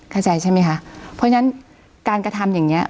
เข้าใจใช่ไหมคะเพราะฉะนั้นการกระทำอย่างเงี้